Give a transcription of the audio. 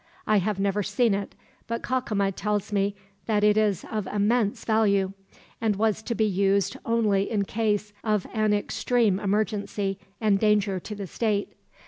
I have never seen it, but Cacama tells me that it is of immense value; and was to be used only in case of an extreme emergency, and danger to the state.